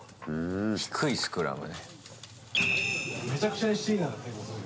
低いスクラム。